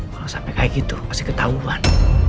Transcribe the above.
kalo sampe kayak gitu pasti ketahuan